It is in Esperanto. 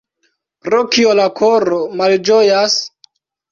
Pro kio la koro malĝojas?